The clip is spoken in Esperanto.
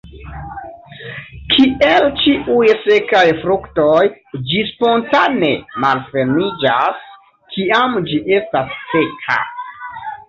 Kiel ĉiuj sekaj fruktoj ĝi spontane malfermiĝas, kiam ĝi estas seka.